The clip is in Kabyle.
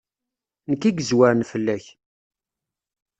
Nekk i yezwaren fell-ak.